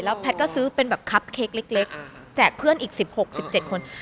แพทย์ก็ซื้อเป็นแบบคับเค้กเล็กแจกเพื่อนอีก๑๖๑๗คน